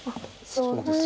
そうですね。